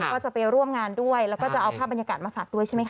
ก็จะไปร่วมงานด้วยแล้วก็จะเอาภาพบรรยากาศมาฝากด้วยใช่ไหมค